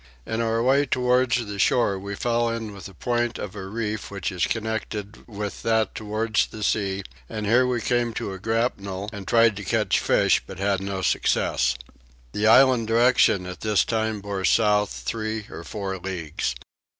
In our way towards the shore we fell in with a point of a reef which is connected with that towards the sea, and here we came to a grapnel and tried to catch fish but had no success. The island Direction at this time bore south three or four leagues.